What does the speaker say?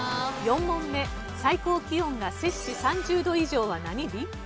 ４問目最高気温が摂氏３０度以上は何日？